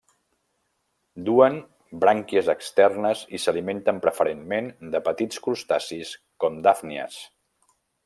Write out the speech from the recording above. Duen brànquies externes i s'alimenten preferentment de petits crustacis, com dàfnies.